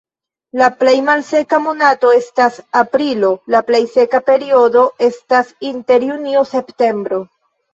La plej malseka monato estas aprilo, la plej seka periodo estas inter junio-septembro.